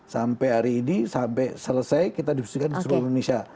sampai hari ini sampai selesai kita diskusikan di seluruh indonesia